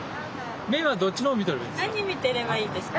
目はどっちのほう見てればいいですか？